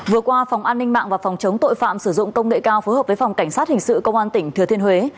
vừa qua phòng an ninh mạng và phòng chống tội phạm sử dụng công nghệ cao phối hợp với phòng cảnh sát hình sự công an tỉnh thừa thiên huế